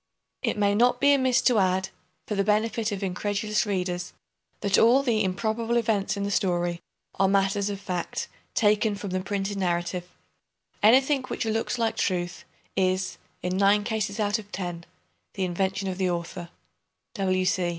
It may not be amiss to add, for the benefit of incredulous readers, that all the "improbable events" in the story are matters of fact, taken from the printed narrative. Anything which "looks like truth" is, in nine cases out of ten, the invention of the author.